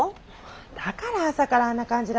だから朝からあんな感じだったんだ。